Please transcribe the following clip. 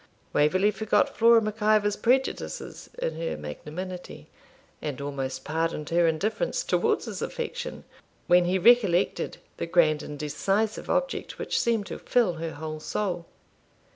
Waverley forgot Flora Mac Ivor's prejudices in her magnanimity, and almost pardoned her indifference towards his affection when he recollected the grand and decisive object which seemed to fill her whole soul.